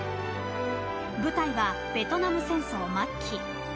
舞台はベトナム戦争末期。